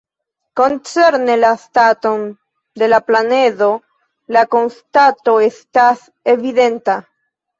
Koncerne la staton de la planedo, la konstato estas evidenta.